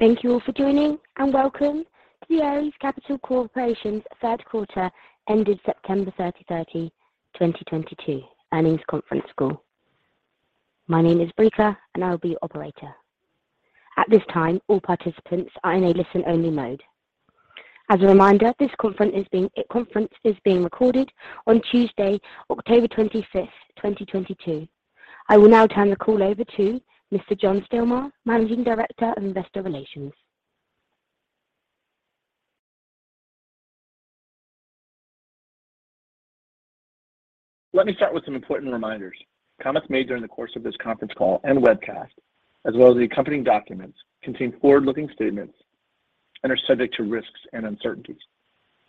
Thank you all for joining, and welcome to the Ares Capital Corporation's Third Quarter Ended September 30, 2022 Earnings Conference Call. My name is Britta, and I'll be your operator. At this time, all participants are in a listen-only mode. As a reminder, this conference is being recorded on Tuesday, October 25th, 2022. I will now turn the call over to Mr. John Stilmar, Managing Director of Investor Relations. Let me start with some important reminders. Comments made during the course of this conference call and webcast, as well as the accompanying documents, contain forward-looking statements and are subject to risks and uncertainties.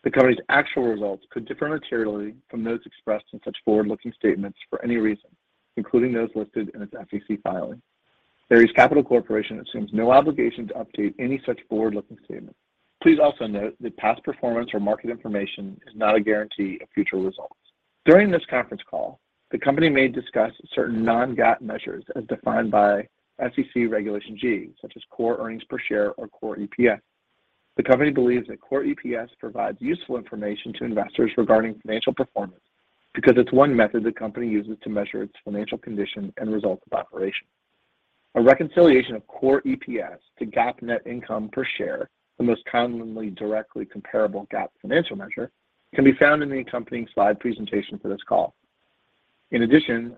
The company's actual results could differ materially from those expressed in such forward-looking statements for any reason, including those listed in its SEC filing. Ares Capital Corporation assumes no obligation to update any such forward-looking statements. Please also note that past performance or market information is not a guarantee of future results. During this conference call, the company may discuss certain non-GAAP measures as defined by SEC Regulation G, such as core earnings per share or Core EPS. The company believes that Core EPS provides useful information to investors regarding financial performance because it's one method the company uses to measure its financial condition and results of operations. A reconciliation of Core EPS to GAAP net income per share, the most commonly directly comparable GAAP financial measure, can be found in the accompanying slide presentation for this call. In addition,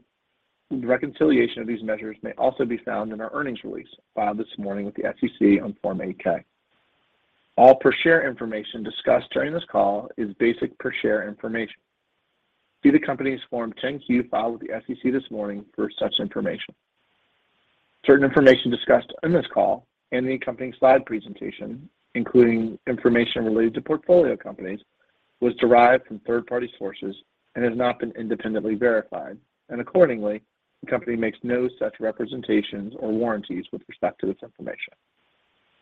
the reconciliation of these measures may also be found in our earnings release filed this morning with the SEC on Form 8-K. All per share information discussed during this call is basic per share information. See the company's Form 10-Q filed with the SEC this morning for such information. Certain information discussed in this call and the accompanying slide presentation, including information related to portfolio companies, was derived from third-party sources and has not been independently verified, and accordingly, the company makes no such representations or warranties with respect to this information.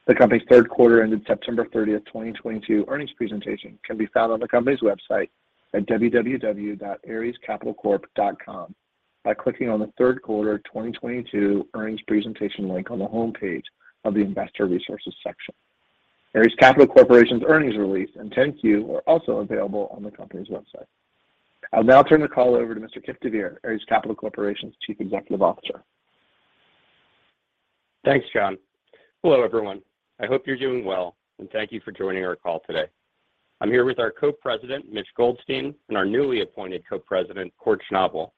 The company's third quarter ended September 30th, 2022 earnings presentation can be found on the company's website at www.arescapitalcorp.com by clicking on the third quarter 2022 earnings presentation link on the homepage of the Investor Resources section. Ares Capital Corporation's earnings release and 10-Q are also available on the company's website. I'll now turn the call over to Mr. Kipp deVeer, Ares Capital Corporation's Chief Executive Officer. Thanks, John. Hello, everyone. I hope you're doing well, and thank you for joining our call today. I'm here with our Co-President, Mitch Goldstein, and our newly appointed Co-President, Kort Schnabel,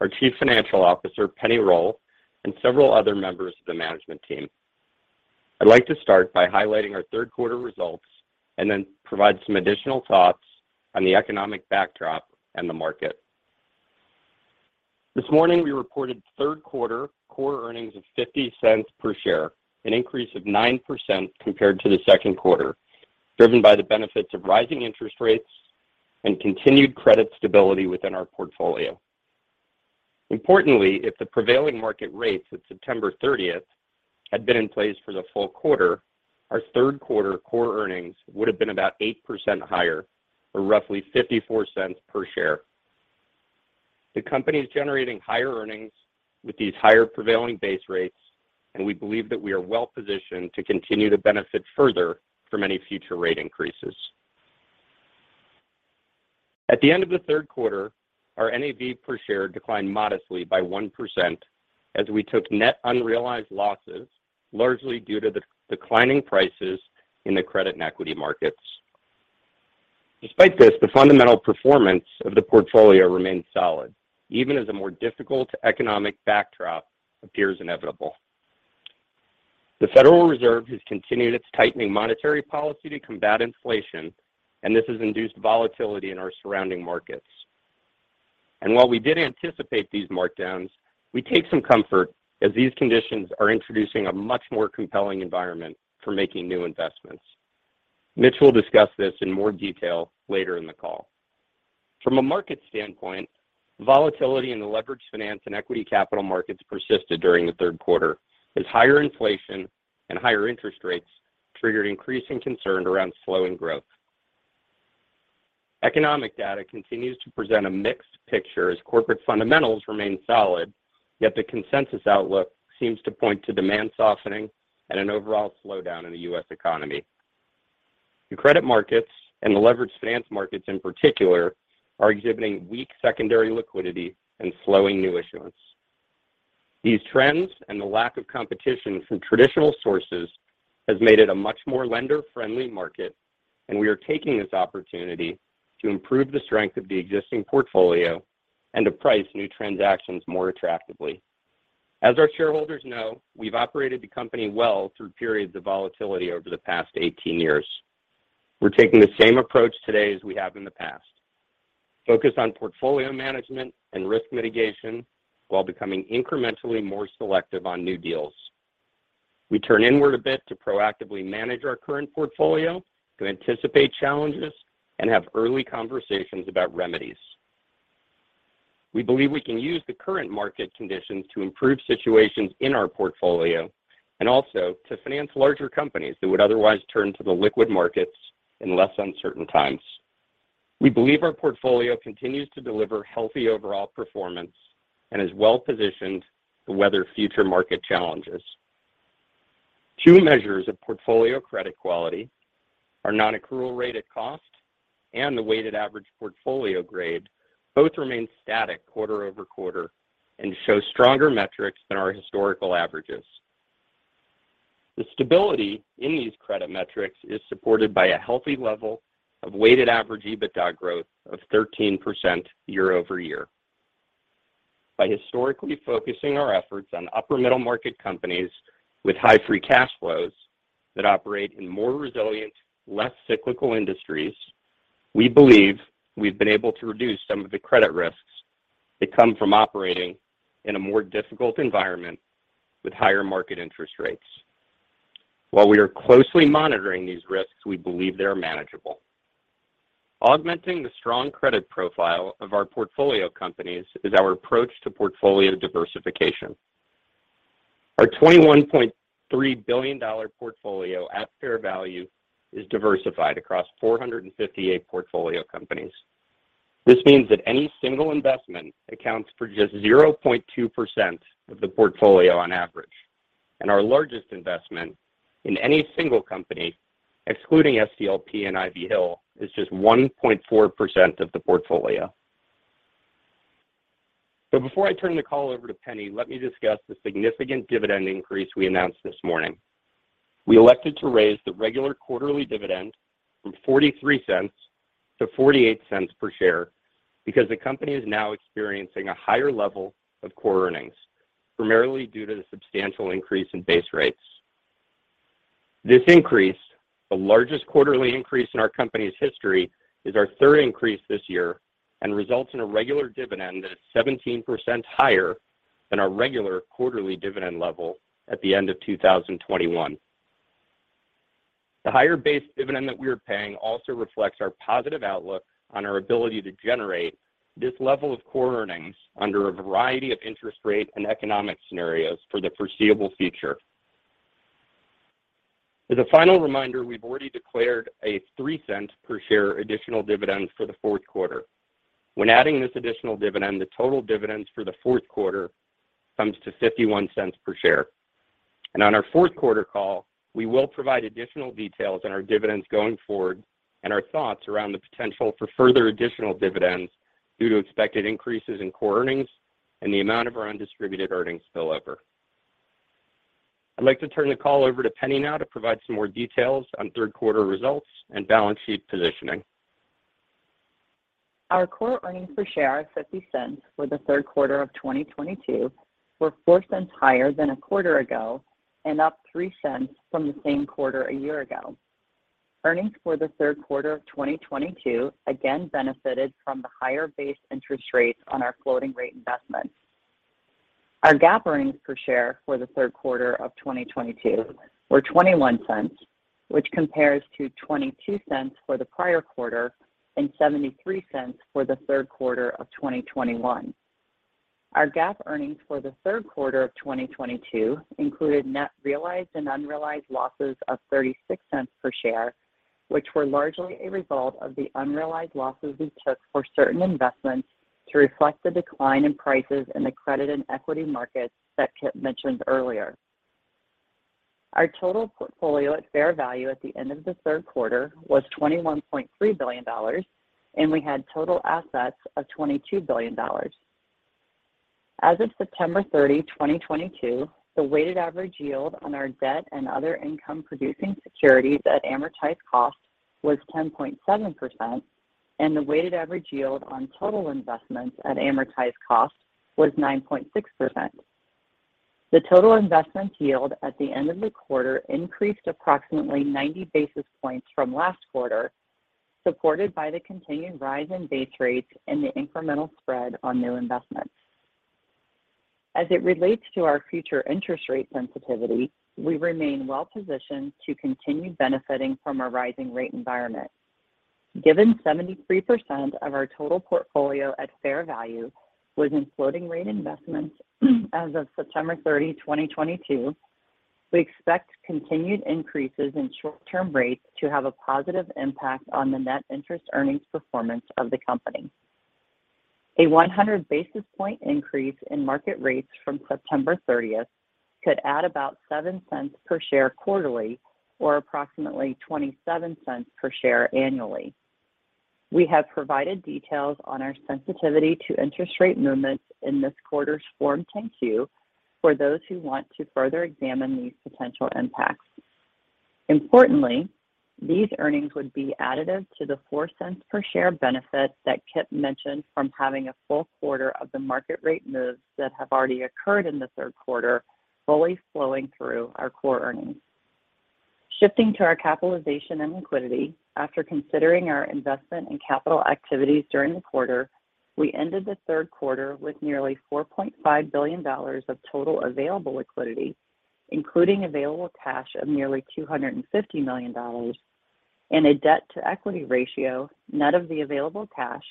our Chief Financial Officer, Penni Roll, and several other members of the management team. I'd like to start by highlighting our third quarter results and then provide some additional thoughts on the economic backdrop and the market. This morning, we reported third quarter core earnings of $0.50 per share, an increase of 9% compared to the second quarter, driven by the benefits of rising interest rates and continued credit stability within our portfolio. Importantly, if the prevailing market rates at September 30th had been in place for the full quarter, our third quarter core earnings would have been about 8% higher or roughly $0.54 per share. The company is generating higher earnings with these higher prevailing base rates, and we believe that we are well positioned to continue to benefit further from any future rate increases. At the end of the third quarter, our NAV per share declined modestly by 1% as we took net unrealized losses, largely due to the declining prices in the credit and equity markets. Despite this, the fundamental performance of the portfolio remains solid, even as a more difficult economic backdrop appears inevitable. The Federal Reserve has continued its tightening monetary policy to combat inflation, and this has induced volatility in our surrounding markets. While we did anticipate these markdowns, we take some comfort as these conditions are introducing a much more compelling environment for making new investments. Mitch will discuss this in more detail later in the call. From a market standpoint, volatility in the leveraged finance and equity capital markets persisted during the third quarter as higher inflation and higher interest rates triggered increasing concern around slowing growth. Economic data continues to present a mixed picture as corporate fundamentals remain solid, yet the consensus outlook seems to point to demand softening and an overall slowdown in the U.S. economy. The credit markets and the leveraged finance markets in particular, are exhibiting weak secondary liquidity and slowing new issuance. These trends and the lack of competition from traditional sources has made it a much more lender-friendly market, and we are taking this opportunity to improve the strength of the existing portfolio and to price new transactions more attractively. As our shareholders know, we've operated the company well through periods of volatility over the past eighteen years. We're taking the same approach today as we have in the past. Focus on portfolio management and risk mitigation while becoming incrementally more selective on new deals. We turn inward a bit to proactively manage our current portfolio to anticipate challenges and have early conversations about remedies. We believe we can use the current market conditions to improve situations in our portfolio and also to finance larger companies that would otherwise turn to the liquid markets in less uncertain times. We believe our portfolio continues to deliver healthy overall performance and is well-positioned to weather future market challenges. Two measures of portfolio credit quality are non-accrual rate at cost and the weighted average portfolio grade, both remain static quarter-over-quarter and show stronger metrics than our historical averages. The stability in these credit metrics is supported by a healthy level of weighted average EBITDA growth of 13% year-over-year. By historically focusing our efforts on upper middle market companies with high free cash flows that operate in more resilient, less cyclical industries, we believe we've been able to reduce some of the credit risks that come from operating in a more difficult environment with higher market interest rates. While we are closely monitoring these risks, we believe they are manageable. Augmenting the strong credit profile of our portfolio companies is our approach to portfolio diversification. Our $21.3 billion portfolio at fair value is diversified across 458 portfolio companies. This means that any single investment accounts for just 0.2% of the portfolio on average. Our largest investment in any single company, excluding SDLP and Ivy Hill, is just 1.4% of the portfolio. Before I turn the call over to Penni, let me discuss the significant dividend increase we announced this morning. We elected to raise the regular quarterly dividend from $0.43-$0.48 per share because the company is now experiencing a higher level of core earnings, primarily due to the substantial increase in base rates. This increase, the largest quarterly increase in our company's history, is our third increase this year and results in a regular dividend that is 17% higher than our regular quarterly dividend level at the end of 2021. The higher base dividend that we are paying also reflects our positive outlook on our ability to generate this level of core earnings under a variety of interest rate and economic scenarios for the foreseeable future. As a final reminder, we've already declared a $0.03 per share additional dividend for the fourth quarter. When adding this additional dividend, the total dividends for the fourth quarter comes to $0.51 per share. On our fourth quarter call, we will provide additional details on our dividends going forward and our thoughts around the potential for further additional dividends due to expected increases in core earnings and the amount of our undistributed earnings spillover. I'd like to turn the call over to Penni now to provide some more details on third quarter results and balance sheet positioning. Our core earnings per share of $0.50 for the third quarter of 2022 were $0.04 higher than a quarter ago and up $0.03 from the same quarter a year ago. Earnings for the third quarter of 2022 again benefited from the higher base interest rates on our floating rate investments. Our GAAP earnings per share for the third quarter of 2022 were $0.21, which compares to $0.22 for the prior quarter and $0.73 for the third quarter of 2021. Our GAAP earnings for the third quarter of 2022 included net realized and unrealized losses of $0.36 per share, which were largely a result of the unrealized losses we took for certain investments to reflect the decline in prices in the credit and equity markets that Kipp mentioned earlier. Our total portfolio at fair value at the end of the third quarter was $21.3 billion, and we had total assets of $22 billion. As of September 30, 2022, the weighted average yield on our debt and other income-producing securities at amortized cost was 10.7%, and the weighted average yield on total investments at amortized cost was 9.6%. The total investment yield at the end of the quarter increased approximately 90 basis points from last quarter, supported by the continued rise in base rates and the incremental spread on new investments. As it relates to our future interest rate sensitivity, we remain well positioned to continue benefiting from a rising rate environment. Given 73% of our total portfolio at fair value was in floating rate investments as of September 30, 2022, we expect continued increases in short-term rates to have a positive impact on the net interest earnings performance of the company. A 100 basis point increase in market rates from September 30th could add about $0.07 per share quarterly or approximately $0.27 cents per share annually. We have provided details on our sensitivity to interest rate movements in this quarter's Form 10-Q for those who want to further examine these potential impacts. Importantly, these earnings would be additive to the 4 cents per share benefit that Kipp mentioned from having a full quarter of the market rate moves that have already occurred in the third quarter fully flowing through our core earnings. Shifting to our capitalization and liquidity, after considering our investments and capital activities during the quarter, we ended the third quarter with nearly $4.5 billion of total available liquidity, including available cash of nearly $250 million and a debt-to-equity ratio net of the available cash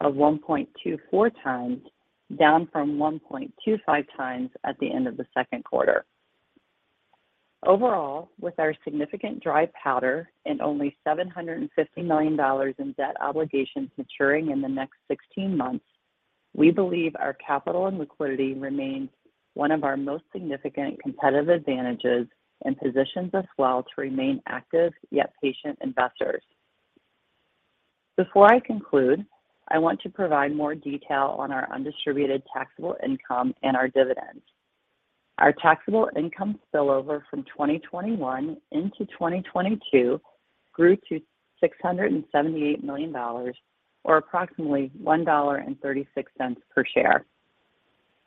of 1.24 times, down from 1.25 times at the end of the second quarter. Overall, with our significant dry powder and only $750 million in debt obligations maturing in the next 16 months, we believe our capital and liquidity remains one of our most significant competitive advantages and positions us well to remain active yet patient investors. Before I conclude, I want to provide more detail on our undistributed taxable income and our dividends. Our taxable income spillover from 2021 into 2022 grew to $678 million or approximately $1.36 per share.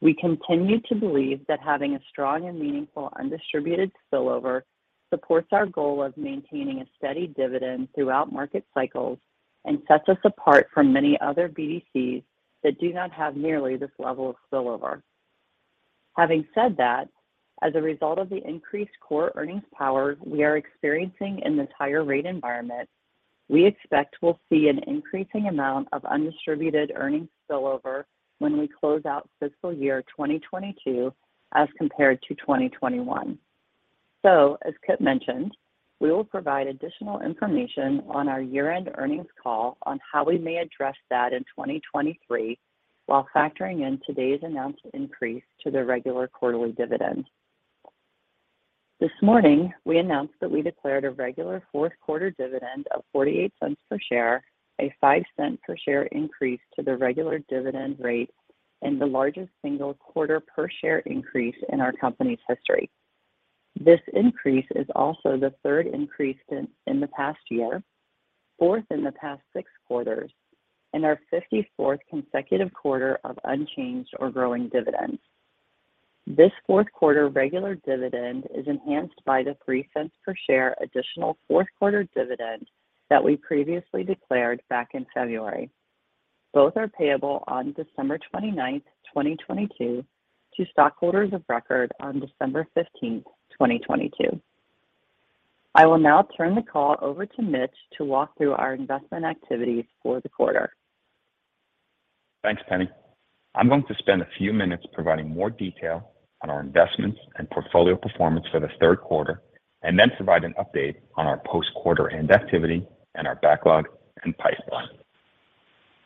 We continue to believe that having a strong and meaningful undistributed spillover supports our goal of maintaining a steady dividend throughout market cycles and sets us apart from many other BDCs that do not have nearly this level of spillover. Having said that, as a result of the increased core earnings power we are experiencing in this higher rate environment, we expect we'll see an increasing amount of undistributed earnings spillover when we close out fiscal year 2022 as compared to 2021. As Kipp mentioned, we will provide additional information on our year-end earnings call on how we may address that in 2023 while factoring in today's announced increase to the regular quarterly dividend. This morning, we announced that we declared a regular fourth quarter dividend of $0.48 per share, a $0.05 per share increase to the regular dividend rate, and the largest single quarter per share increase in our company's history. This increase is also the third increase in the past year, fourth in the past 6 quarters, and our 54th consecutive quarter of unchanged or growing dividends. This fourth quarter regular dividend is enhanced by the $0.03 per share additional fourth quarter dividend that we previously declared back in February. Both are payable on December 29, 2022 to stockholders of record on December 15, 2022. I will now turn the call over to Mitch to walk through our investment activities for the quarter. Thanks, Penni. I'm going to spend a few minutes providing more detail on our investments and portfolio performance for the third quarter, and then provide an update on our post quarter end activity and our backlog and pipeline.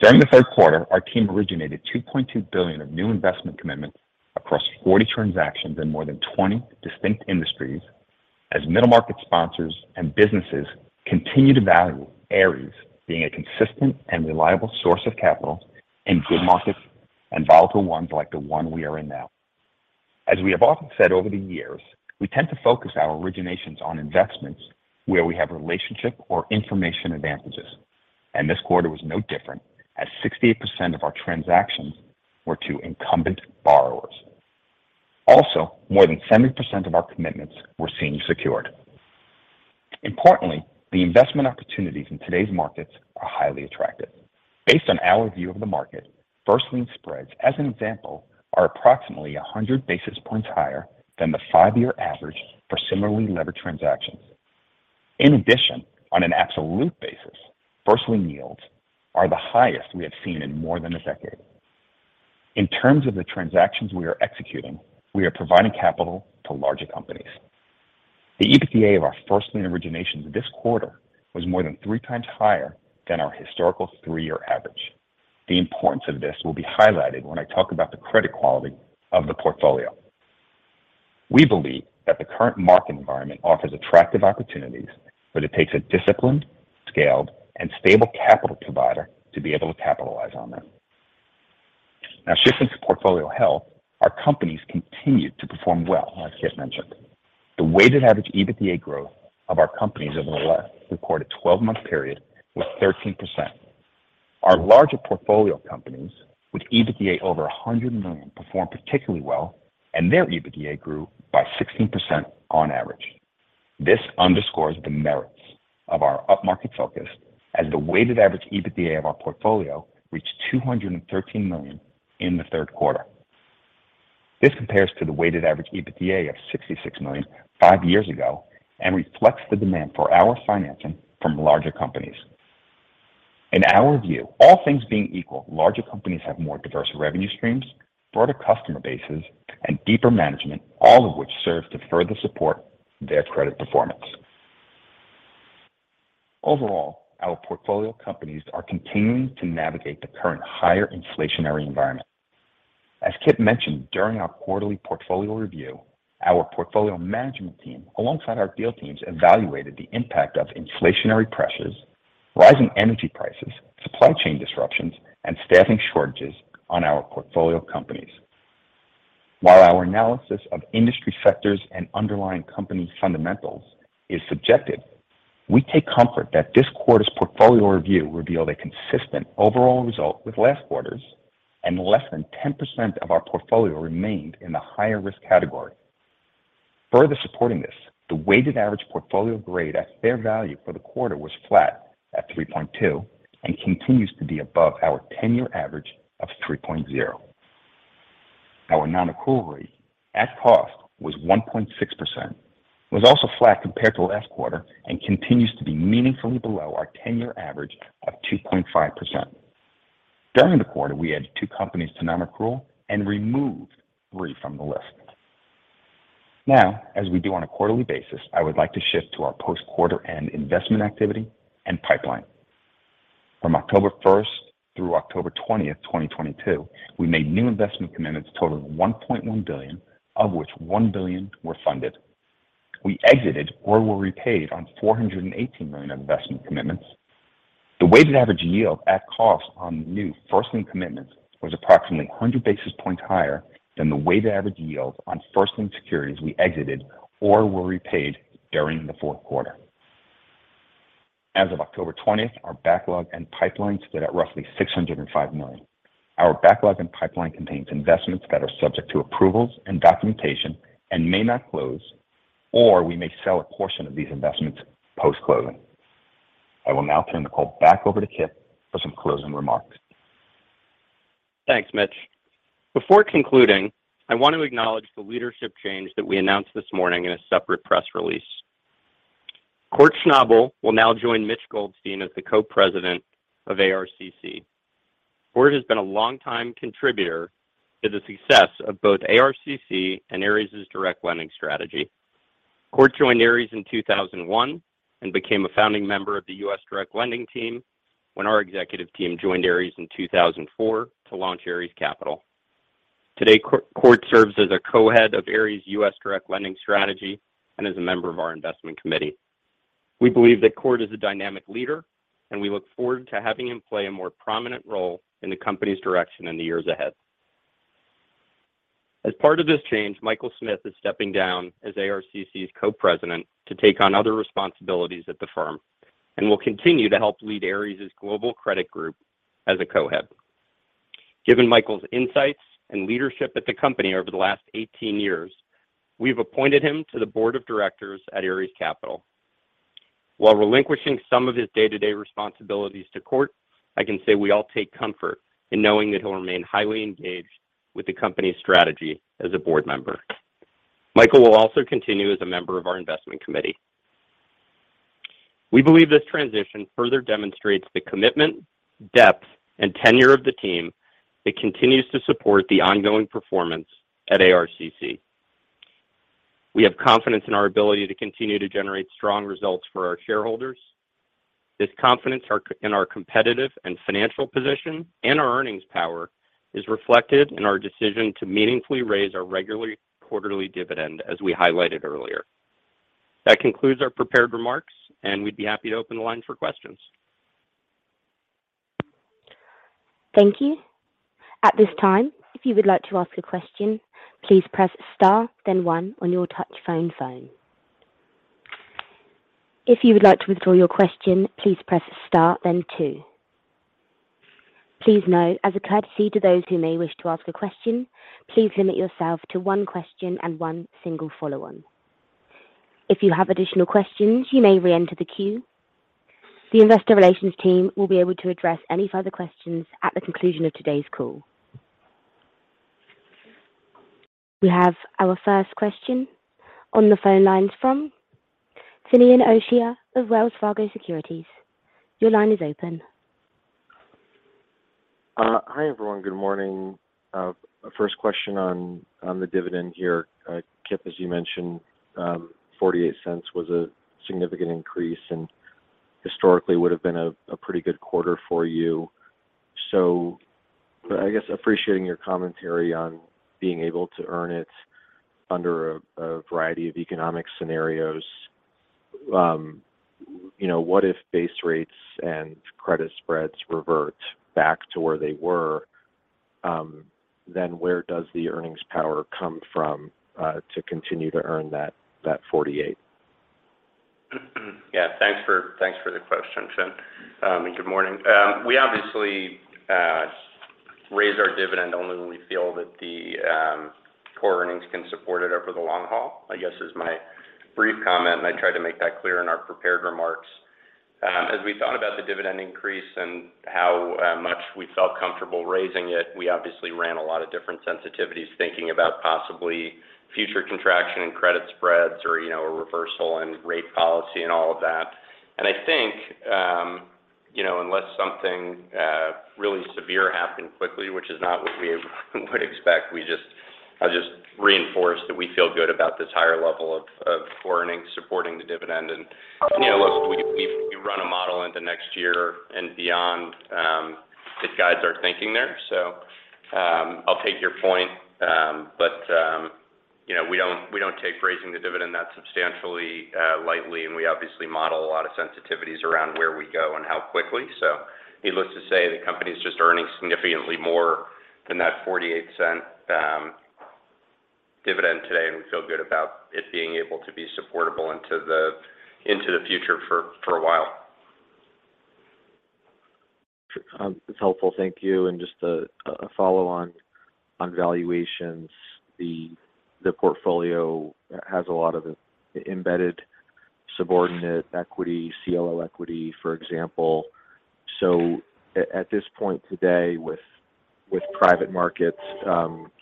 During the third quarter, our team originated $2.2 billion of new investment commitments across 40 transactions in more than 20 distinct industries as middle market sponsors and businesses continue to value Ares being a consistent and reliable source of capital in good markets and volatile ones like the one we are in now. As we have often said over the years, we tend to focus our originations on investments where we have relationship or information advantages, and this quarter was no different as 68% of our transactions were to incumbent borrowers. Also, more than 70% of our commitments were senior secured. Importantly, the investment opportunities in today's markets are highly attractive. Based on our view of the market, first lien spreads, as an example, are approximately 100 basis points higher than the five-year average for similarly levered transactions. In addition, on an absolute basis, first lien yields are the highest we have seen in more than a decade. In terms of the transactions we are executing, we are providing capital to larger companies. The EBITDA of our first lien originations this quarter was more than three times higher than our historical three-year average. The importance of this will be highlighted when I talk about the credit quality of the portfolio. We believe that the current market environment offers attractive opportunities, but it takes a disciplined, scaled, and stable capital provider to be able to capitalize on them. Now shifting to portfolio health, our companies continued to perform well, as Kipp mentioned. The weighted average EBITDA growth of our companies over the last reported 12-month period was 13%. Our larger portfolio companies with EBITDA over $100 million performed particularly well, and their EBITDA grew by 16% on average. This underscores the merits of our upmarket focus as the weighted average EBITDA of our portfolio reached $213 million in the third quarter. This compares to the weighted average EBITDA of $66 million five years ago and reflects the demand for our financing from larger companies. In our view, all things being equal, larger companies have more diverse revenue streams, broader customer bases, and deeper management, all of which serve to further support their credit performance. Overall, our portfolio companies are continuing to navigate the current higher inflationary environment. As Kipp mentioned during our quarterly portfolio review, our portfolio management team, alongside our deal teams, evaluated the impact of inflationary pressures, rising energy prices, supply chain disruptions, and staffing shortages on our portfolio companies. While our analysis of industry sectors and underlying company fundamentals is subjective, we take comfort that this quarter's portfolio review revealed a consistent overall result with last quarter's and less than 10% of our portfolio remained in the higher risk category. Further supporting this, the weighted average portfolio grade at fair value for the quarter was flat at 3.2 and continues to be above our 10-year average of 3.0. Our non-accrual rate at cost was 1.6%. It was also flat compared to last quarter and continues to be meaningfully below our 10-year average of 2.5%. During the quarter, we added two companies to non-accrual and removed three from the list. Now, as we do on a quarterly basis, I would like to shift to our post-quarter end investment activity and pipeline. From October 1st through October 20th, 2022, we made new investment commitments totaling $1.1 billion, of which $1 billion were funded. We exited or were repaid on $418 million investment commitments. The weighted average yield at cost on the new first lien commitments was approximately 100 basis points higher than the weighted average yield on first lien securities we exited or were repaid during the fourth quarter. As of October 20th, our backlog and pipeline stood at roughly $605 million. Our backlog and pipeline contains investments that are subject to approvals and documentation and may not close, or we may sell a portion of these investments post-closing. I will now turn the call back over to Kipp for some closing remarks. Thanks, Mitch. Before concluding, I want to acknowledge the leadership change that we announced this morning in a separate press release. Kort Schnabel will now join Mitch Goldstein as the co-president of ARCC. Kort has been a long time contributor to the success of both ARCC and Ares' direct lending strategy. Kort joined Ares in 2001 and became a founding member of the U.S. direct lending team when our executive team joined Ares in 2004 to launch Ares Capital. Today, Kort serves as a co-head of Ares U.S. direct lending strategy and is a member of our investment committee. We believe that Kort is a dynamic leader, and we look forward to having him play a more prominent role in the company's direction in the years ahead. As part of this change, Michael Smith is stepping down as ARCC's co-president to take on other responsibilities at the firm, and will continue to help lead Ares' global credit group as a co-head. Given Michael's insights and leadership at the company over the last 18 years, we've appointed him to the board of directors at Ares Capital. While relinquishing some of his day-to-day responsibilities to Kort, I can say we all take comfort in knowing that he'll remain highly engaged with the company's strategy as a board member. Michael will also continue as a member of our investment committee. We believe this transition further demonstrates the commitment, depth, and tenure of the team that continues to support the ongoing performance at ARCC. We have confidence in our ability to continue to generate strong results for our shareholders. This confidence in our competitive and financial position and our earnings power is reflected in our decision to meaningfully raise our regular quarterly dividend as we highlighted earlier. That concludes our prepared remarks, and we'd be happy to open the line for questions. Thank you. At this time, if you would like to ask a question, please press star, then one on your touchtone phone. If you would like to withdraw your question, please press star, then two. Please note, as a courtesy to those who may wish to ask a question, please limit yourself to one question and one single follow-on. If you have additional questions, you may re-enter the queue. The investor relations team will be able to address any further questions at the conclusion of today's call. We have our first question on the phone lines from Finian O'Shea of Wells Fargo Securities. Your line is open. Hi, everyone. Good morning. First question on the dividend here. Kipp, as you mentioned, $0.48 was a significant increase, and historically would have been a pretty good quarter for you. I guess appreciating your commentary on being able to earn it under a variety of economic scenarios, you know, what if base rates and credit spreads revert back to where they were, then where does the earnings power come from to continue to earn that $0.48? Yeah. Thanks for the question, Fin. Good morning. We obviously raise our dividend only when we feel that the core earnings can support it over the long haul, I guess is my brief comment, and I tried to make that clear in our prepared remarks. As we thought about the dividend increase and how much we felt comfortable raising it, we obviously ran a lot of different sensitivities thinking about possibly future contraction in credit spreads or, you know, a reversal in rate policy and all of that. I think, you know, unless something really severe happened quickly, which is not what we would expect, I just reinforce that we feel good about this higher level of core earnings supporting the dividend. You know, look, we run a model into next year and beyond that guides our thinking there. I'll take your point. You know, we don't take raising the dividend that substantially lightly, and we obviously model a lot of sensitivities around where we go and how quickly. Needless to say, the company's just earning significantly more than that $0.48 dividend today, and we feel good about it being able to be supportable into the future for a while. It's helpful. Thank you. Just a follow on valuations. The portfolio has a lot of embedded subordinate equity, CLO equity, for example. So at this point today with private markets,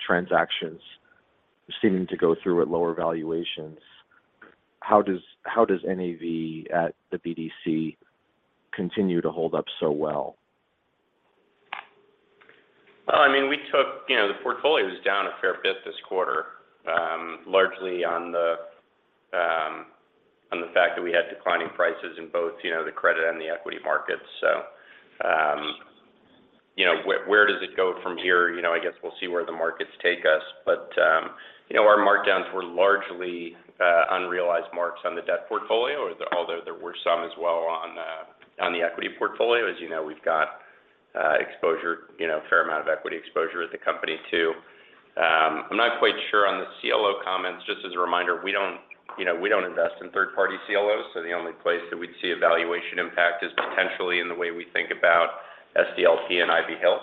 transactions seeming to go through at lower valuations. How does NAV at the BDC continue to hold up so well? You know, the portfolio was down a fair bit this quarter, largely on the fact that we had declining prices in both, you know, the credit and the equity markets. You know, where does it go from here? You know, I guess we'll see where the markets take us. You know, our markdowns were largely unrealized marks on the debt portfolio, although there were some as well on the equity portfolio. As you know, we've got exposure, you know, a fair amount of equity exposure at the company too. I'm not quite sure on the CLO comments. Just as a reminder, we don't, you know, invest in third-party CLOs, so the only place that we'd see a valuation impact is potentially in the way we think about SDLP and Ivy Hill.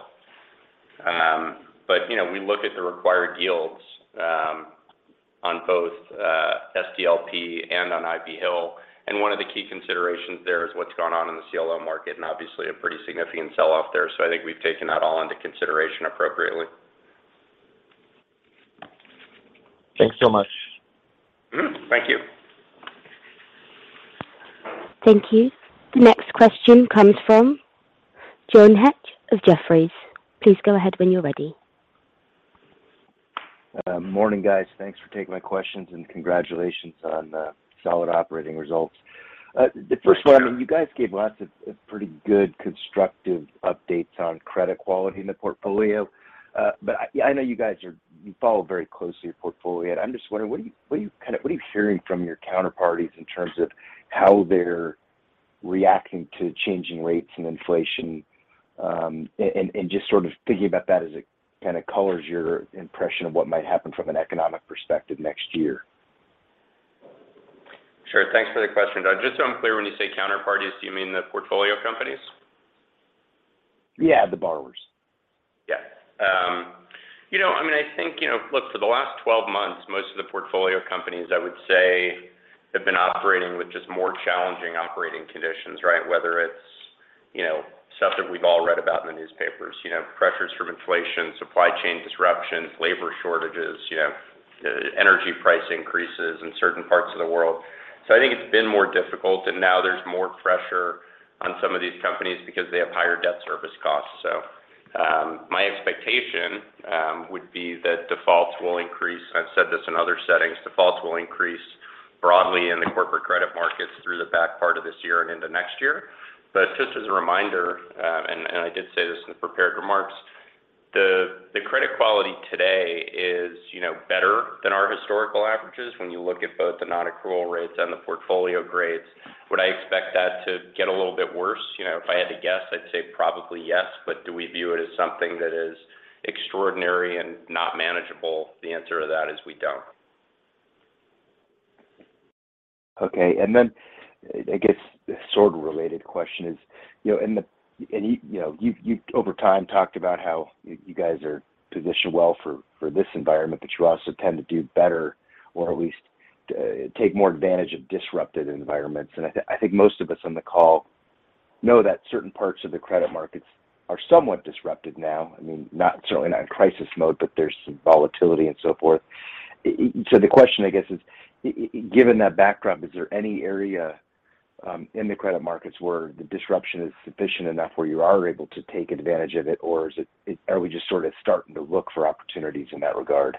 You know, we look at the required yields on both SDLP and on Ivy Hill. One of the key considerations there is what's gone on in the CLO market, and obviously a pretty significant sell-off there. I think we've taken that all into consideration appropriately. Thanks so much. Mm-hmm. Thank you. Thank you. The next question comes from John Hecht of Jefferies. Please go ahead when you're ready. Morning, guys. Thanks for taking my questions, and congratulations on the solid operating results. The first one, I mean, you guys gave lots of pretty good constructive updates on credit quality in the portfolio. I know you follow very closely your portfolio. I'm just wondering, what are you hearing from your counterparties in terms of how they're reacting to changing rates and inflation, and just sort of thinking about that as it kind of colors your impression of what might happen from an economic perspective next year? Sure. Thanks for the question, John. Just so I'm clear, when you say counterparties, do you mean the portfolio companies? Yeah, the borrowers. Yeah. You know, I mean, I think, you know, look, for the last 12 months, most of the portfolio companies, I would say, have been operating with just more challenging operating conditions, right? Whether it's, you know, stuff that we've all read about in the newspapers, you know, pressures from inflation, supply chain disruptions, labor shortages, you know, energy price increases in certain parts of the world. I think it's been more difficult, and now there's more pressure on some of these companies because they have higher debt service costs. My expectation would be that defaults will increase. I've said this in other settings, defaults will increase broadly in the corporate credit markets through the back part of this year and into next year. Just as a reminder, and I did say this in the prepared remarks, the credit quality today is, you know, better than our historical averages when you look at both the non-accrual rates and the portfolio grades. Would I expect that to get a little bit worse? You know, if I had to guess, I'd say probably yes. Do we view it as something that is extraordinary and not manageable? The answer to that is we don't. Okay. Then I guess a sort of related question is, you know, you know, you've over time talked about how you guys are positioned well for this environment, but you also tend to do better or at least take more advantage of disrupted environments. I think most of us on the call know that certain parts of the credit markets are somewhat disrupted now. I mean, certainly not in crisis mode, but there's some volatility and so forth. The question, I guess, is, given that backdrop, is there any area in the credit markets where the disruption is sufficient enough where you are able to take advantage of it, or are we just sort of starting to look for opportunities in that regard?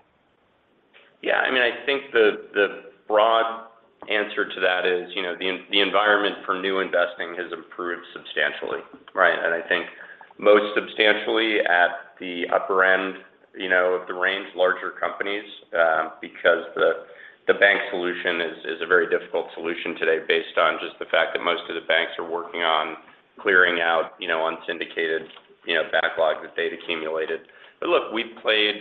Yeah. I mean, I think the broad answer to that is, you know, the environment for new investing has improved substantially, right? I think most substantially at the upper end, you know, of the range, larger companies, because the bank solution is a very difficult solution today based on just the fact that most of the banks are working on clearing out, you know, unsyndicated, you know, backlog that they'd accumulated. Look, we've made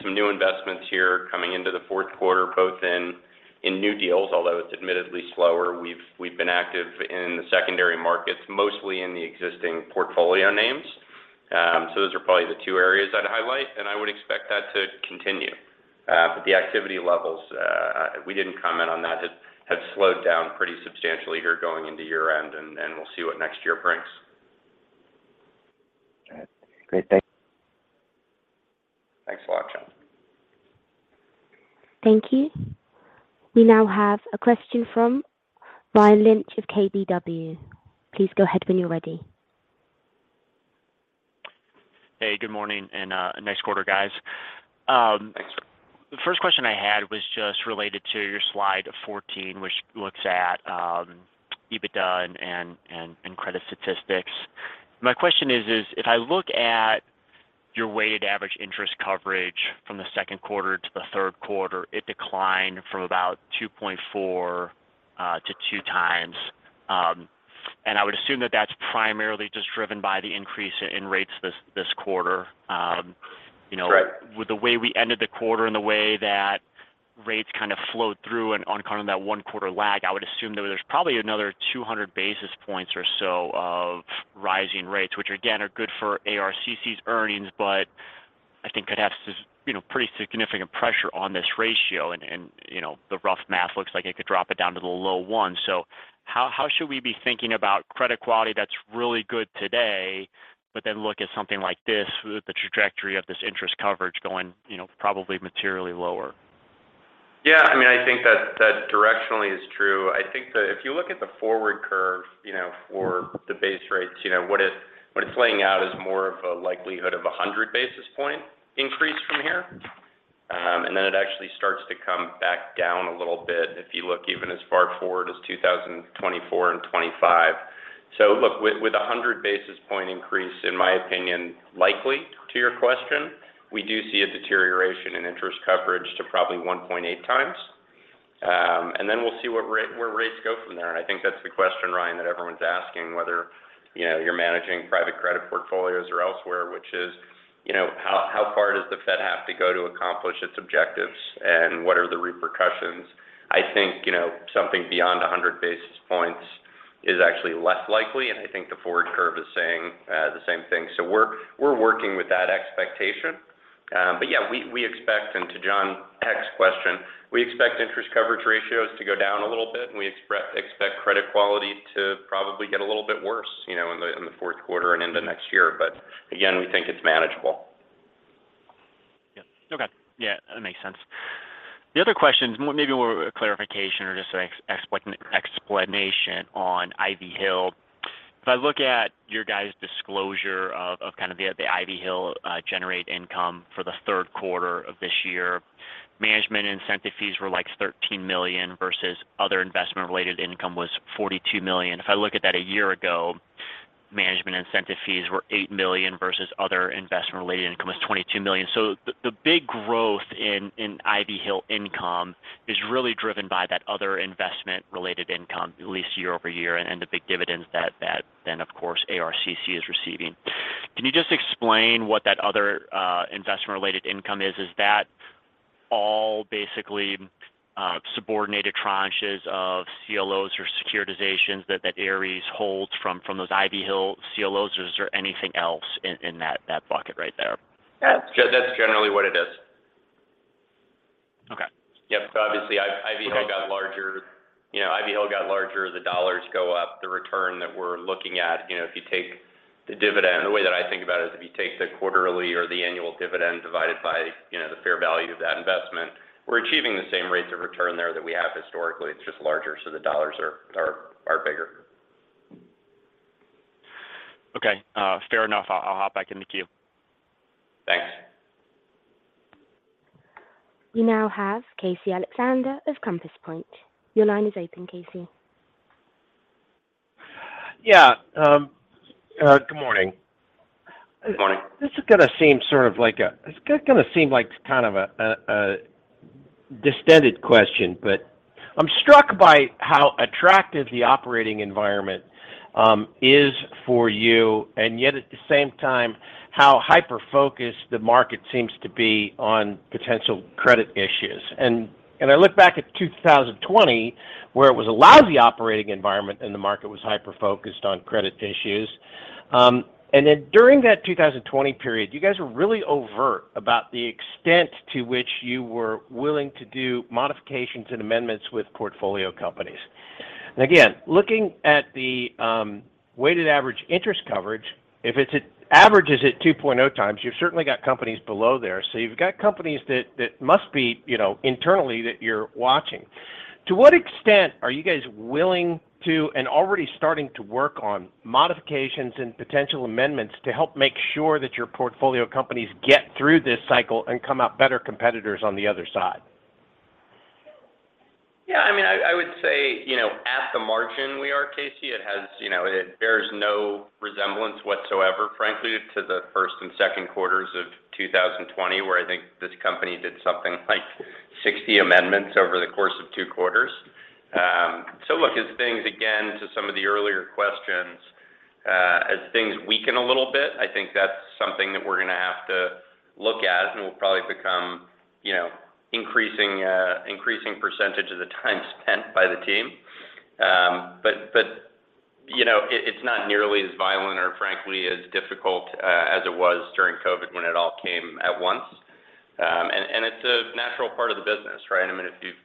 some new investments here coming into the fourth quarter, both in new deals, although it's admittedly slower. We've been active in the secondary markets, mostly in the existing portfolio names. So those are probably the two areas I'd highlight, and I would expect that to continue. The activity levels we didn't comment on that have slowed down pretty substantially here going into year-end, and we'll see what next year brings. All right. Great. Thank you. Thanks a lot, John. Thank you. We now have a question from Brian McKenna of KBW. Please go ahead when you're ready. Hey, good morning, and nice quarter, guys. Thanks. The first question I had was just related to your slide 14, which looks at EBITDA and credit statistics. My question is if I look at your weighted average interest coverage from the second quarter to the third quarter, it declined from about 2.4x-2x. I would assume that that's primarily just driven by the increase in rates this quarter. You know. Right. With the way we ended the quarter and the way that rates kind of flowed through and on account of that one quarter lag, I would assume that there's probably another 200 basis points or so of rising rates, which again, are good for ARCC's earnings, but I think could have, you know, pretty significant pressure on this ratio. And, you know, the rough math looks like it could drop it down to the low one. How should we be thinking about credit quality that's really good today, but then look at something like this with the trajectory of this interest coverage going, you know, probably materially lower? Yeah, I mean, I think that directionally is true. I think if you look at the forward curve, you know, for the base rates, you know, what it's laying out is more of a likelihood of a 100 basis point increase from here. Then it actually starts to come back down a little bit if you look even as far forward as 2024 and 2025. Look, with a 100 basis point increase, in my opinion, likely to your question, we do see a deterioration in interest coverage to probably 1.8 times. Then we'll see where rates go from there. I think that's the question, Brian, that everyone's asking, whether, you know, you're managing private credit portfolios or elsewhere, which is, you know, how far does the Fed have to go to accomplish its objectives, and what are the repercussions? I think, you know, something beyond 100 basis points is actually less likely, and I think the forward curve is saying the same thing. We're working with that expectation. Yeah, we expect, and to John X.'s question, we expect interest coverage ratios to go down a little bit, and we expect credit quality to probably get a little bit worse, you know, in the fourth quarter and into next year. Again, we think it's manageable. Yeah. Okay. Yeah, that makes sense. The other question is maybe more of a clarification or just an explanation on Ivy Hill. If I look at your guys' disclosure of the Ivy Hill generated income for the third quarter of this year. Management incentive fees were like $13 million versus other investment-related income was $42 million. If I look at that a year ago, management incentive fees were $8 million versus other investment-related income was $22 million. The big growth in Ivy Hill income is really driven by that other investment-related income at least year-over-year and the big dividends that then of course ARCC is receiving. Can you just explain what that other investment-related income is? Is that all basically subordinated tranches of CLOs or securitizations that Ares holds from those Ivy Hill CLOs, or is there anything else in that bucket right there? Yeah. That's generally what it is. Okay. Yeah. Obviously Ivy Hill got larger. You know, Ivy Hill got larger. The dollars go up. The return that we're looking at, you know, if you take the dividend, the way that I think about it is if you take the quarterly or the annual dividend divided by, you know, the fair value of that investment, we're achieving the same rates of return there that we have historically. It's just larger, so the dollars are bigger. Okay. Fair enough. I'll hop back in the queue. Thanks. We now have Casey Alexander of Compass Point. Your line is open, Casey. Yeah. Good morning. Good morning. It's gonna seem like kind of a distended question, but I'm struck by how attractive the operating environment is for you, and yet at the same time, how hyper-focused the market seems to be on potential credit issues. I look back at 2020 where it was a lousy operating environment and the market was hyper-focused on credit issues. Then during that 2020 period, you guys were really overt about the extent to which you were willing to do modifications and amendments with portfolio companies. Looking at the weighted average interest coverage, if it's averages at 2.0 times, you've certainly got companies below there. You've got companies that must be, you know, internally that you're watching. To what extent are you guys willing to and already starting to work on modifications and potential amendments to help make sure that your portfolio companies get through this cycle and come out better competitors on the other side? Yeah. I mean, I would say, you know, at the margin we are, Casey, it has, you know, it bears no resemblance whatsoever, frankly, to the first and second quarters of 2020, where I think this company did something like 60 amendments over the course of two quarters. So look, as things, again, to some of the earlier questions, as things weaken a little bit, I think that's something that we're gonna have to look at and will probably become, you know, increasing percentage of the time spent by the team. But you know, it's not nearly as violent or frankly as difficult as it was during COVID when it all came at once. And it's a natural part of the business, right? I mean, if you've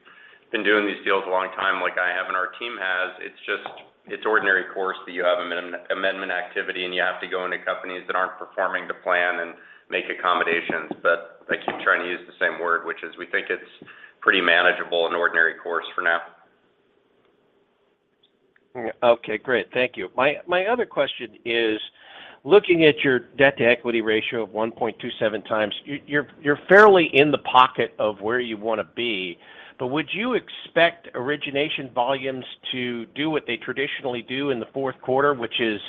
been doing these deals a long time like I have and our team has, it's just, it's ordinary course that you have amendment activity and you have to go into companies that aren't performing to plan and make accommodations. I keep trying to use the same word, which is we think it's pretty manageable in ordinary course for now. Okay. Great. Thank you. My other question is, looking at your debt-to-equity ratio of 1.27 times, you're fairly in the pocket of where you wanna be. Would you expect origination volumes to do what they traditionally do in the fourth quarter, which is,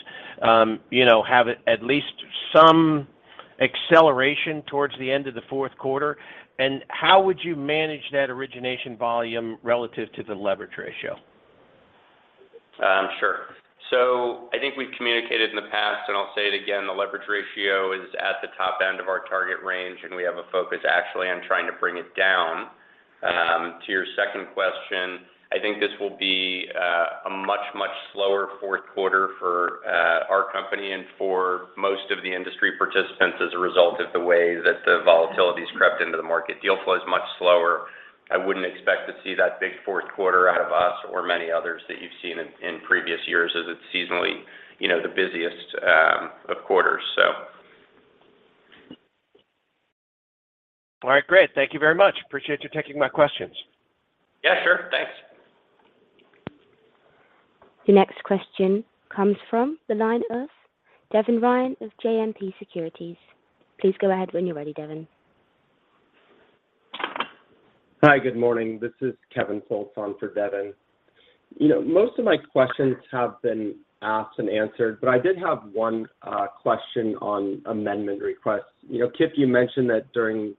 have at least some acceleration towards the end of the fourth quarter? And how would you manage that origination volume relative to the leverage ratio? I think we've communicated in the past, and I'll say it again, the leverage ratio is at the top end of our target range, and we have a focus actually on trying to bring it down. To your second question, I think this will be a much slower fourth quarter for our company and for most of the industry participants as a result of the way that the volatility's crept into the market. Deal flow is much slower. I wouldn't expect to see that big fourth quarter out of us or many others that you've seen in previous years as it's seasonally, you know, the busiest of quarters. All right. Great. Thank you very much. Appreciate you taking my questions. Yeah, sure. Thanks. The next question comes from the line of Devin Ryan of JMP Securities. Please go ahead when you're ready, Devin. Hi. Good morning. This is Kevin Folsom for Devin. You know, most of my questions have been asked and answered, but I did have one question on amendment requests. You know, Kipp, you mentioned that during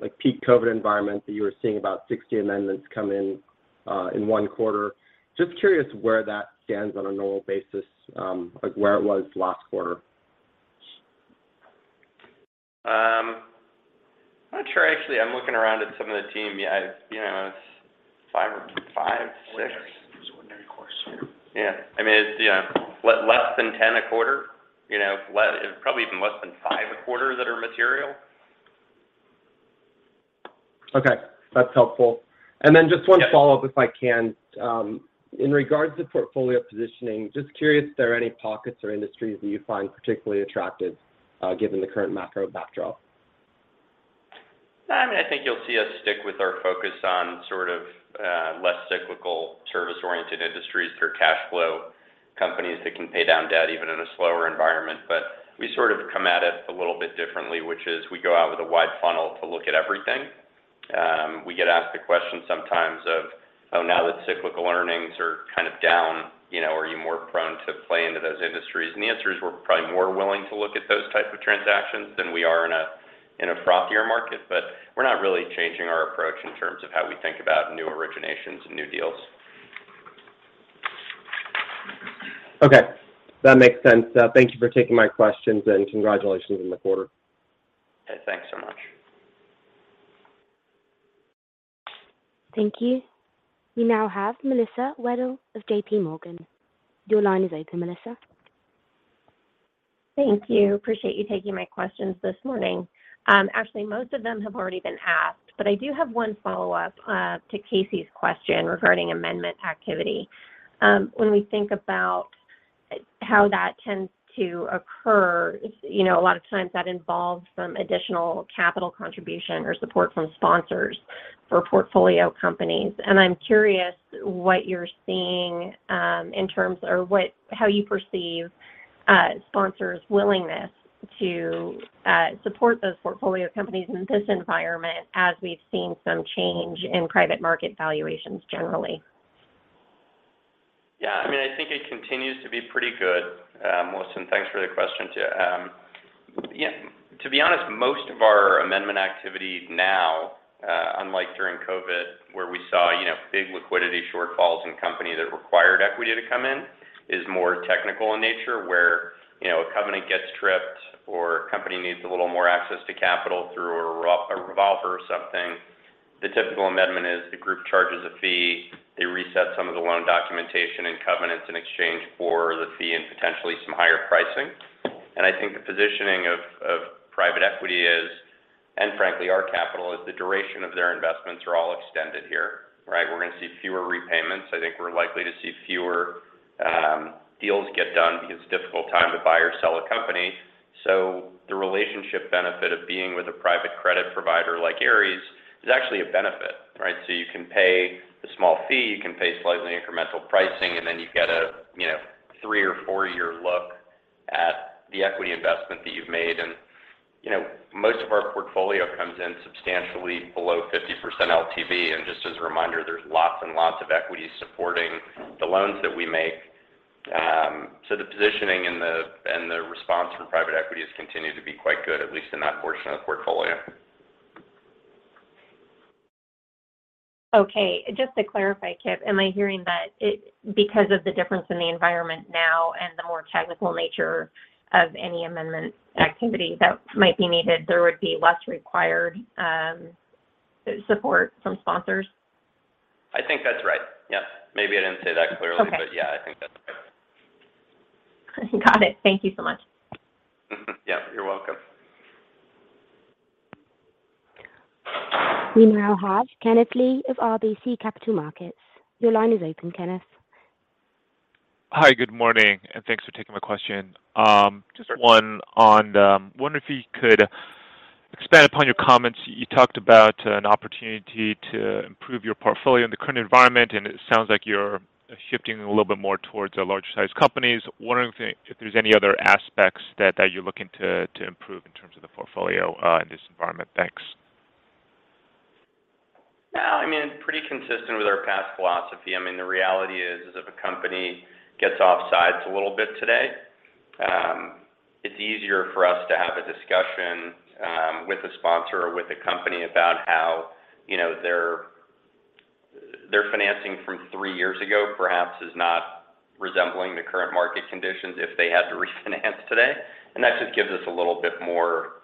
like peak COVID environment that you were seeing about 60 amendments come in in one quarter. Just curious where that stands on a normal basis, like where it was last quarter. I'm not sure actually. I'm looking around at some of the team. Yeah, you know, it's five or six. Ordinary. It was ordinary course. Yeah. Yeah. I mean, it's, you know, less than 10 a quarter. You know, probably even less than five a quarter that are material. Okay. That's helpful. Yeah. Just one follow-up, if I can. In regards to portfolio positioning, just curious if there are any pockets or industries that you find particularly attractive, given the current macro backdrop. I mean, I think you'll see us stick with our focus on sort of, less cyclical service-oriented industries through cash flow companies that can pay down debt even in a slower environment. We sort of come at it a little bit differently, which is we go out with a wide funnel to look at everything. We get asked the question sometimes of, "Oh, now that cyclical earnings are kind of down, you know, are you more prone to play into those industries?" The answer is we're probably more willing to look at those type of transactions than we are in a, in a frothier market. We're not really changing our approach in terms of how we think about new originations and new deals. Okay. That makes sense. Thank you for taking my questions, and congratulations on the quarter. Thanks so much. Thank you. We now have Melissa Wedel of JPMorgan. Your line is open, Melissa. Thank you. Appreciate you taking my questions this morning. Actually most of them have already been asked, but I do have one follow-up to Casey's question regarding amendment activity. When we think about how that tends to occur, you know, a lot of times that involves some additional capital contribution or support from sponsors for portfolio companies. I'm curious what you're seeing in terms of how you perceive sponsors' willingness to support those portfolio companies in this environment as we've seen some change in private market valuations generally. Yeah. I mean, I think it continues to be pretty good. Melissa, and thanks for the question, too. Yeah, to be honest, most of our amendment activity now, unlike during COVID, where we saw, you know, big liquidity shortfalls in companies that required equity to come in, is more technical in nature, where, you know, a covenant gets tripped or a company needs a little more access to capital through a revolver or something. The typical amendment is the group charges a fee, they reset some of the loan documentation and covenants in exchange for the fee and potentially some higher pricing. I think the positioning of private equity is, and frankly, our capital is the duration of their investments are all extended here, right? We're gonna see fewer repayments. I think we're likely to see fewer deals get done because it's a difficult time to buy or sell a company. The relationship benefit of being with a private credit provider like Ares is actually a benefit, right? You can pay the small fee, you can pay slightly incremental pricing, and then you get a, you know, 3 or 4-year look at the equity investment that you've made. You know, most of our portfolio comes in substantially below 50% LTV. Just as a reminder, there's lots and lots of equity supporting the loans that we make. The positioning and the response from private equity has continued to be quite good, at least in that portion of the portfolio. Okay. Just to clarify, Kipp, am I hearing that because of the difference in the environment now and the more technical nature of any amendment activity that might be needed, there would be less required support from sponsors? I think that's right. Yeah. Maybe I didn't say that clearly. Okay. Yeah, I think that's right. Got it. Thank you so much. Yeah. You're welcome. We now have Kenneth Lee of RBC Capital Markets. Your line is open, Kenneth. Hi. Good morning, and thanks for taking my question. Sure. Just one on. Wonder if you could expand upon your comments. You talked about an opportunity to improve your portfolio in the current environment, and it sounds like you're shifting a little bit more towards the larger sized companies. Wondering if there's any other aspects that you're looking to improve in terms of the portfolio in this environment. Thanks. No, I mean, pretty consistent with our past philosophy. I mean, the reality is if a company gets offsides a little bit today, it's easier for us to have a discussion with a sponsor or with a company about how, you know, their financing from three years ago perhaps is not resembling the current market conditions if they had to refinance today. That just gives us a little bit more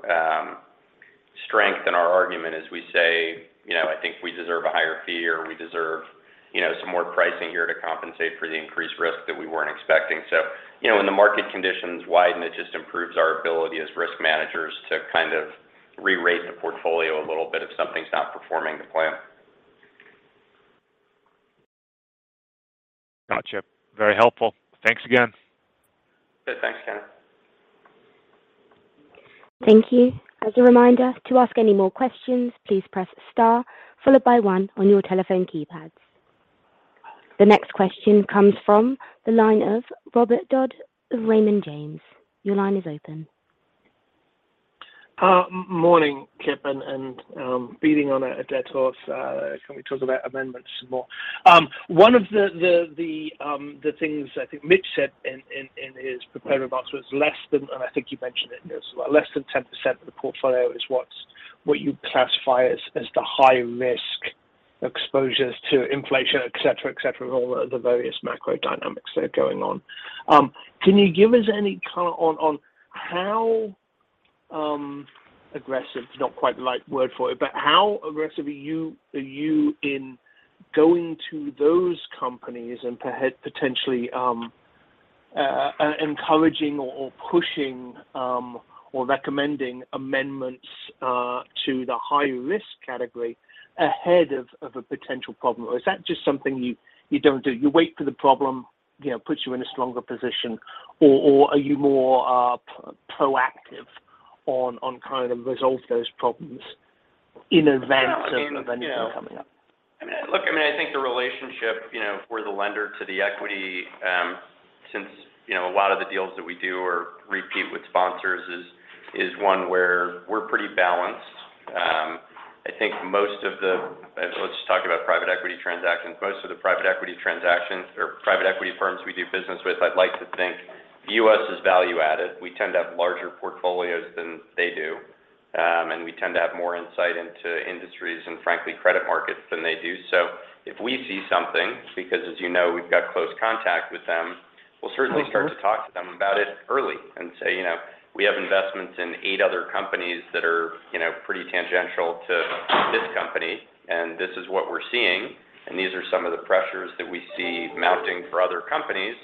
strength in our argument as we say, you know, I think we deserve a higher fee or we deserve, you know, some more pricing here to compensate for the increased risk that we weren't expecting. You know, when the market conditions widen, it just improves our ability as risk managers to kind of rerate the portfolio a little bit if something's not performing to plan. Got you. Very helpful. Thanks again. Yeah, thanks, Kenneth. Thank you. As a reminder to ask any more questions, please press star followed by one on your telephone keypads. The next question comes from the line of Robert Dodd of Raymond James. Your line is open. Morning, Kipp. Beating on a dead horse, can we talk about amendments some more? One of the things I think Mitch said in his prepared remarks was less than 10%—and I think you mentioned it as well, less than 10% of the portfolio is what you classify as the high risk exposures to inflation, et cetera, et cetera, all the various macro dynamics that are going on. Can you give us any color on how aggressive, not quite the right word for it. How aggressive are you in going to those companies and potentially encouraging or pushing or recommending amendments to the high risk category ahead of a potential problem? Or is that just something you don't do? You wait for the problem, you know, puts you in a stronger position or are you more proactive on trying to resolve those problems in advance of anything coming up? I mean, look, I think the relationship, you know, for the lender to the equity, since, you know, a lot of the deals that we do are repeat with sponsors is one where we're pretty balanced. Let's just talk about private equity transactions. Most of the private equity transactions or private equity firms we do business with, I'd like to think view us as value-added. We tend to have larger portfolios than they do. We tend to have more insight into industries and frankly, credit markets than they do. If we see something, because as you know, we've got close contact with them, we'll certainly start to talk to them about it early and say, you know, we have investments in eight other companies that are, you know, pretty tangential to this company, and this is what we're seeing. These are some of the pressures that we see mounting for other companies.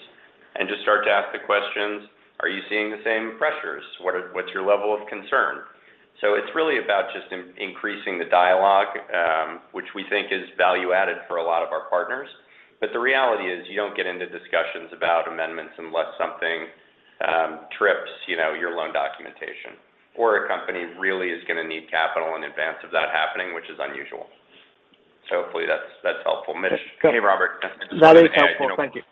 Just start to ask the questions, are you seeing the same pressures? What's your level of concern? It's really about just increasing the dialogue, which we think is value added for a lot of our partners. But the reality is you don't get into discussions about amendments unless something trips, you know, your loan documentation or a company really is gonna need capital in advance of that happening, which is unusual. Hopefully that's helpful. Mitch. Good. Hey, Robert. That is helpful. Thank you.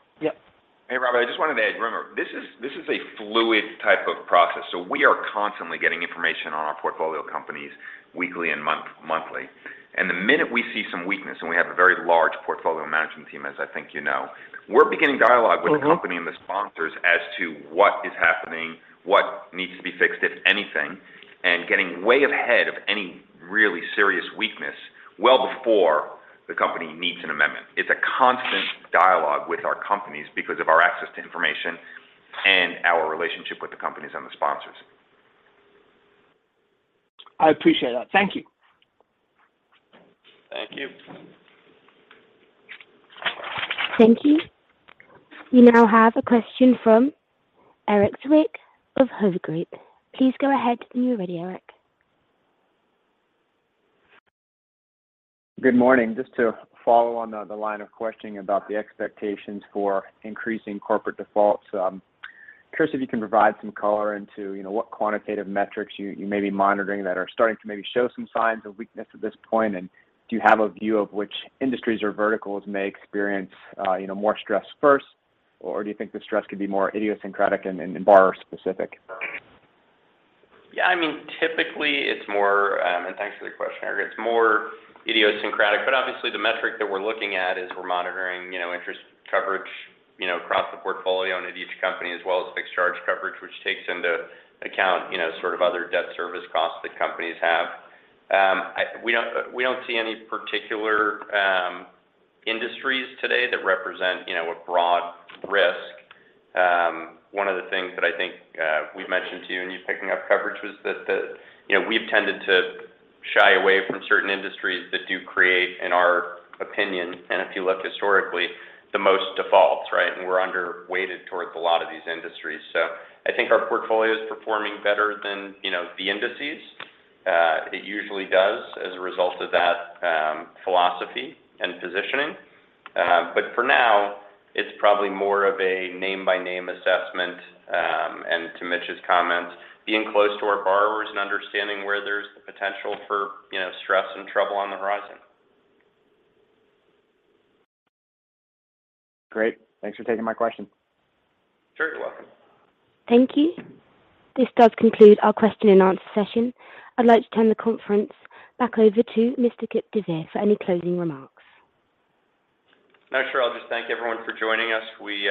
Yep. Hey, Robert. I just wanted to add, remember, this is a fluid type of process. We are constantly getting information on our portfolio companies weekly and monthly. The minute we see some weakness, and we have a very large portfolio management team, as I think you know, we're beginning dialogue with the company and the sponsors as to what is happening, what needs to be fixed, if anything, and getting way ahead of any really serious weakness well before the company needs an amendment. It's a constant dialogue with our companies because of our access to information and our relationship with the companies and the sponsors. I appreciate that. Thank you. Thank you. Thank you. We now have a question from Erik Zwick of Hovde Group. Please go ahead when you're ready, Erik. Good morning. Just to follow on the line of questioning about the expectations for increasing corporate defaults. Curious if you can provide some color into, you know, what quantitative metrics you may be monitoring that are starting to maybe show some signs of weakness at this point. Do you have a view of which industries or verticals may experience more stress first? Or do you think the stress could be more idiosyncratic and borrower specific? Yeah, I mean, typically it's more. Thanks for the question, Erik. It's more idiosyncratic, but obviously the metric that we're looking at is monitoring, you know, interest coverage, you know, across the portfolio and at each company, as well as fixed charge coverage, which takes into account, you know, sort of other debt service costs that companies have. We don't see any particular industries today that represent, you know, a broad risk. One of the things that I think we've mentioned to you, and you're picking up coverage, was that you know we've tended to shy away from certain industries that do create, in our opinion, and if you look historically, the most defaults, right? We're underweighted towards a lot of these industries. I think our portfolio is performing better than, you know, the indices. It usually does as a result of that, philosophy and positioning. For now, it's probably more of a name by name assessment, and to Mitch's comments, being close to our borrowers and understanding where there's the potential for, you know, stress and trouble on the horizon. Great. Thanks for taking my question. Sure. You're welcome. Thank you. This does conclude our question-and-answer session. I'd like to turn the conference back over to Mr. Kipp deVeer for any closing remarks. No, sure. I'll just thank everyone for joining us. We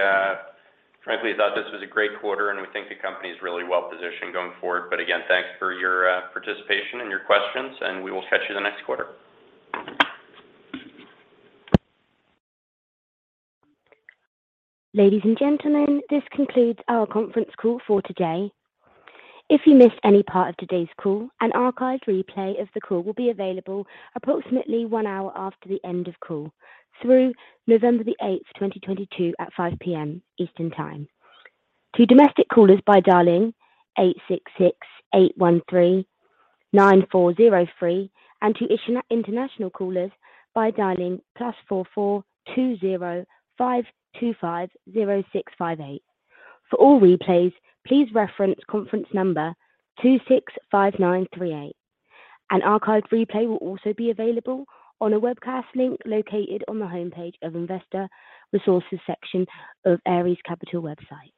frankly thought this was a great quarter, and we think the company is really well-positioned going forward. Again, thanks for your participation and your questions, and we will catch you the next quarter. Ladies and gentlemen, this concludes our conference call for today. If you missed any part of today's call, an archived replay of the call will be available approximately one hour after the end of call through November 8th, 2022 at 5:00 P.M. Eastern Time. To domestic callers by dialing 866-813-9403, and to international callers by dialing +44 20 5250 658. For all replays, please reference conference number 265938. An archived replay will also be available on a webcast link located on the homepage of Investor Resources section of Ares Capital website.